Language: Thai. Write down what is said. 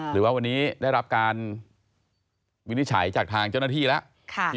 หรือว่าวันนี้ได้รับการวินิจฉัยจากทางเจ้าหน้าที่แล้ว